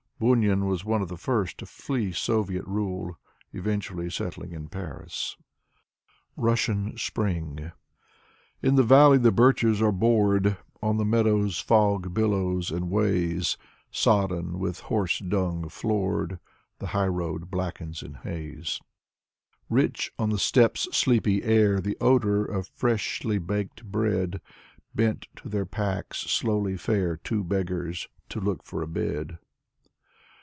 Bunin was one of the first to flee Soviet rule, eventually settling in Paris. 92 Ivan Bunin 93 RUSSIAN SPRING In the valley the birches are bored. On the meadows, fog billows and weighs. Sodden, with horse dung floored, The highroad 'blackens in haze. Rich on the steppe's sleepy air, The odor of freshly baked bread. Bent to their packs, slowly fare Two beggars to look for a bed.